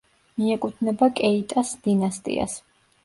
მიეკუთვნება კეიტას დინასტიას.